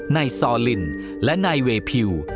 นายซอลินและนายเวพิว